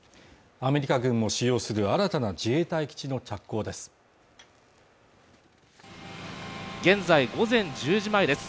アメリカ軍も使用する新たな自衛隊基地の着工です現在午前１０時前です